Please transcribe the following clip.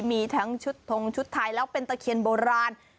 มีทั้งชุดทงชุดไทยแล้วเป็นตะเคียนโบราณ